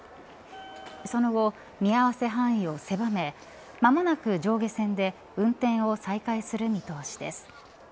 その後、見合わせ範囲を狭め間もなく上下線で運転を再開する見通しです。